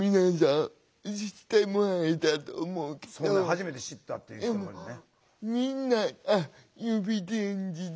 初めて知ったっていう人もいるね。